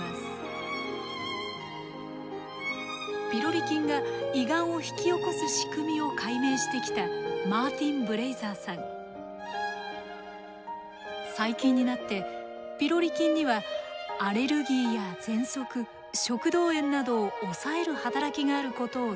ピロリ菌が胃がんを引き起こす仕組みを解明してきた最近になってピロリ菌にはアレルギーやぜんそく食道炎などを抑える働きがあることを突き止めました。